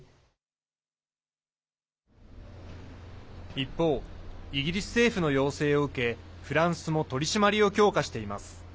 一方イギリス政府の要請を受けフランスも取り締まりを強化しています。